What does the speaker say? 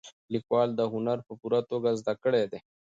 لیکوال دا هنر په پوره توګه زده دی.